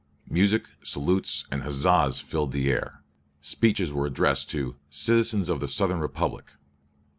Music, salutes, and huzzahs filled the air. Speeches were addressed to "citizens of the Southern Republic."